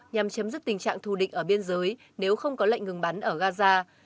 nhằm chấm dứt tình trạng thù định ở biên giới nếu không có lệnh ngừng bắn ở gaza